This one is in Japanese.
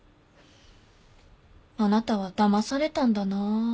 あなたはだまされたんだな。